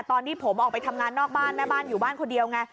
ตอนที่ผมออกไปทำงานนอกบ้านแม่บ้านอยู่บ้านคนเดียวไง